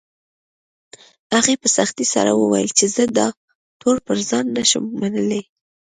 هغې په سختۍ سره وويل چې زه دا تور پر ځان نه شم منلی